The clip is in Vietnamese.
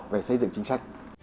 về xây dựng chính sách